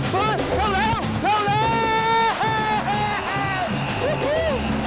หรือใครกำลังร้อนเงิน